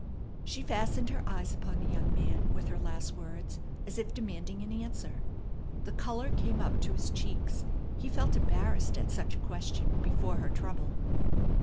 She fastened her eyes upon the young man with her last words as if demanding an answer. The color came up to his cheeks. He felt embarrassed at such a question before her trouble.